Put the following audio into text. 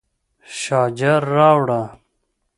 شارجر راوړه